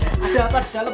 ada apa di dalam